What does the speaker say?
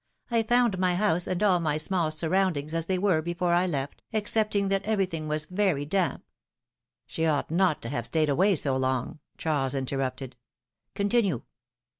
I found my house and all my small surroundings as they were before I left, excepting that everything was very damp —" She ought not to have stayed away so long," Charles interrupted. Continue."